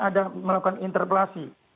ada melakukan interpelasi